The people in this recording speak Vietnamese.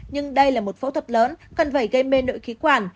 nhưng đây là một phẫu thuật lớn cần phải gây mê nội khí quản